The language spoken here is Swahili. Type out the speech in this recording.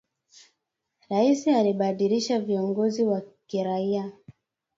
Rais alibadilisha viongozi wa kiraia